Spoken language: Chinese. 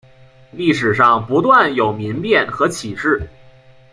历史上不断有民变和起事。